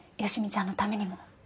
好美ちゃんのためにも。